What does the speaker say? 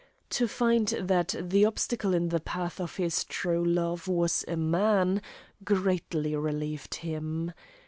To find that the obstacle in the path of his true love was a man greatly relieved him.